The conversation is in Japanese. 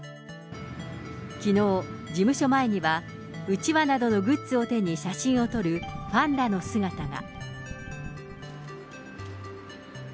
きのう、事務所前には、うちわなどのグッズを手に写真を撮るファンらの姿が。